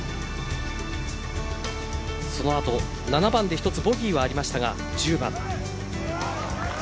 そのあと７番で一つボギーはありましたが１０番。